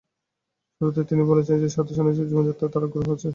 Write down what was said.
শুরুতেই তিনি বলছেন যে, সাধুসন্ন্যাসীর জীবনযাত্রায় তাঁর আগ্রহ আছে।